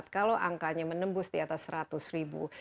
kalau angkanya menembus di atas seratus ribu